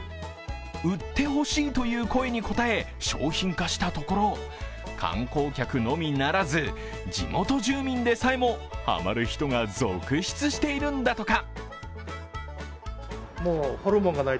売ってほしいという声に応え商品化したところ観光客のみならず、地元住民でさえもハマる人が続出しているんだとか。